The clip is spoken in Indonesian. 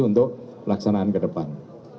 untuk pelaksanaan ke depan